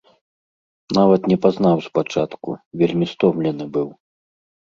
Нават не пазнаў спачатку, вельмі стомлены быў.